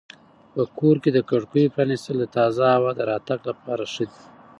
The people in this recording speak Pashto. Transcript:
په کور کې د کړکیو پرانیستل د تازه هوا د راتګ لپاره ښه دي.